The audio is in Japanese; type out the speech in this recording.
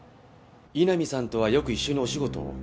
井波さんとはよく一緒にお仕事を？